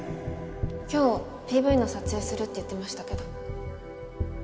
今日 ＰＶ の撮影するって言ってましたけど